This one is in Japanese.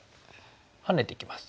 ハネていきます。